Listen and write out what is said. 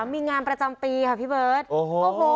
มีงานประจำปีค่ะพี่เบิร์ตโอ้โห